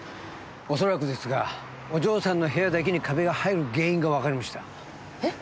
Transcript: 恐らくですがお嬢さんの部屋だけにカビが生える原因が分かりましたえっ？